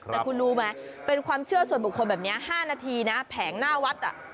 แต่คุณรู้ไหมเป็นความเชื่อส่วนบุคคลแบบนี้๕นาทีนะแผงหน้าวัด